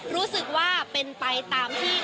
รู้สึกว่าเป็นไปตามที่